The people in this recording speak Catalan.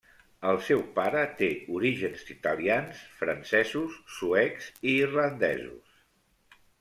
El seu pare té orígens italians, francesos, suecs i irlandesos.